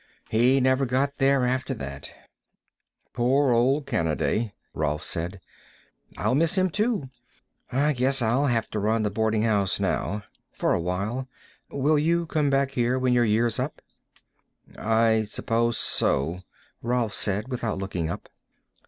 He never got there after that." "Poor old Kanaday," Rolf said. "I'll miss him too. I guess I'll have to run the boarding house now. For a while. Will you come back here when your year's up?" "I suppose so," Rolf said without looking up.